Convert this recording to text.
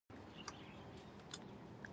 ته به له مانه لرې لاړه شې ځکه پوه نه وې.